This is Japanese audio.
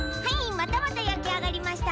またまたやきあがりました！